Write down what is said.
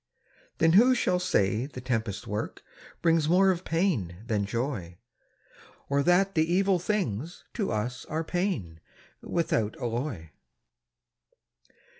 Then who shall say the tempest's work Brings more of pain than joy; Or that the evil things, to us Are pain, without alloy?